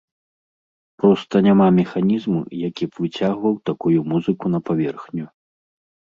Проста няма механізму, які б выцягваў такую музыку на паверхню.